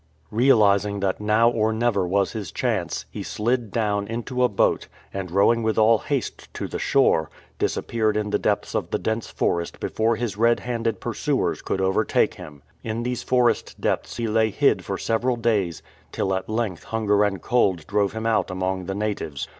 Realizing that now or never was his chance, he slid down into a boat, and rowing with all haste to the shore, disappeared in the depths of the dense forest before liis 262 ADVENTURES OF THE SHIP'S COOK red handed pursuers could overtake him. In these forest depths he lay hid for several days, till at length hunger and cold drove him out among the natives.